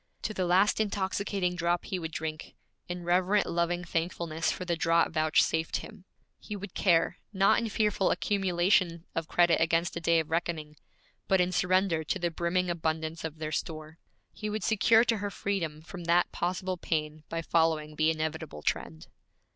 To the last intoxicating drop he would drink, in reverent loving thankfulness for the draught vouchsafed him. He would care, not in fearful accumulation of credit against a day of reckoning, but in surrender to the brimming abundance of their store. He would secure to her freedom from that possible pain by following the inevitable trend.